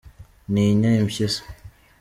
ntinya impyisi.